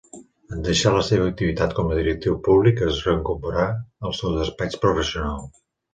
En deixar la seva activitat com a directiu públic, es reincorporà al seu despatx professional.